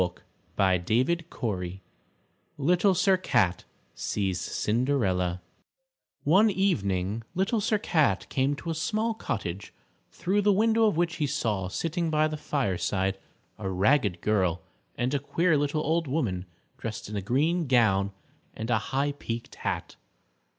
LITTLE SIR CAT Little Sir Cat Sees Cinderella One evening Little Sir Cat came to a small cottage, through the window of which he saw sitting by the fireside, a ragged girl and a queer little old woman dressed in a green gown and a high peaked hat.